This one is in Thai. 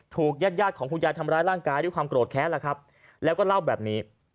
ญาติญาติของคุณยายทำร้ายร่างกายด้วยความโกรธแค้นล่ะครับแล้วก็เล่าแบบนี้